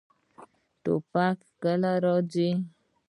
توتکۍ کله راځي؟